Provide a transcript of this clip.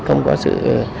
không có sự